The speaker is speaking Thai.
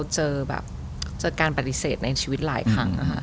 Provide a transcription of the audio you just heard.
เจอการปฏิเสธในชีวิตหลายครั้ง